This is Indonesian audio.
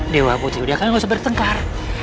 dewa putri sudah kan tidak usah bertengkar